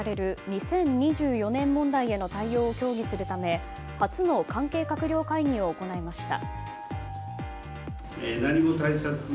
２０２４年問題への対応を協議するため初の関係閣僚会議を行いました。